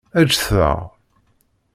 Ǧǧet-aɣ.